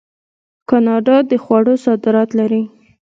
کاناډا د خوړو صادرات لري.